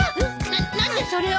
な何でそれを。